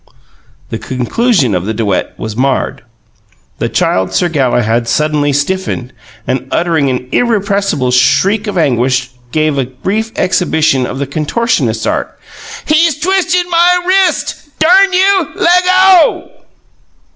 The conclusion of the duet was marred. The Child Sir Galahad suddenly stiffened, and, uttering an irrepressible shriek of anguish, gave a brief exhibition of the contortionist's art. ("HE'S TWISTIN' MY WRIST! DERN YOU, LEGGO!")